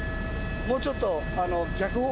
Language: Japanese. もうちょっと。